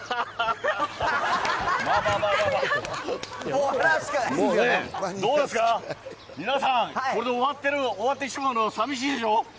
まだまだ、もうね、どうですか、皆さん、これで終わってるの、終わってしまうのさみしいでしょう。